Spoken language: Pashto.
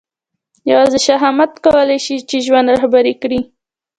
یوازې شهامت کولای شي چې ژوند رهبري کړي.